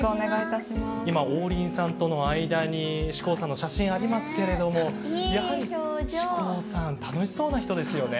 今王林さんとの間に志功さんの写真ありますけれどもやはり志功さん楽しそうな人ですよね。